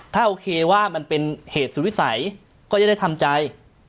ถ้าโอเคว่ามันเป็นเหตุสุดวิสัยก็จะได้ทำใจ